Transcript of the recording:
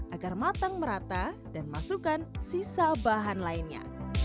agar matang merata dan masukkan sisa bahan lainnya